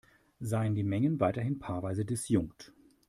Seien die Mengen weiterhin paarweise disjunkt.